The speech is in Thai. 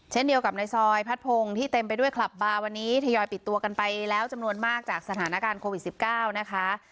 เช่นเดียวกับในซอยพัดพงศ์ที่เต็มไปด้วยคลับบาร์วันนี้ทยอยปิดตัวกันไปแล้วจำนวนมากจากสถานการณ์โควิด๑๙นะคะ